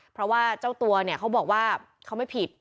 เพราะว่าเจ้าตัวเนี่ยเขาบอกว่าเขาไม่ผิด